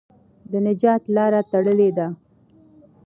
د نجات لاره تړلې ده.